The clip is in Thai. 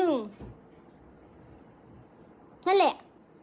นั่นแหละ